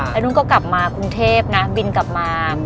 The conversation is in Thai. แล้วนุ่นก็กลับมากรุงเทพนะบินกลับมา